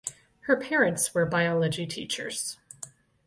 Her parents were biology teachers.